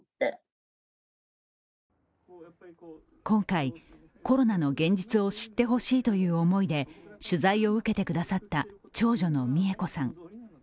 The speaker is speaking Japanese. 今回、コロナの現実を知ってほしいという思いで取材を受けてくださった長女の美枝子さん。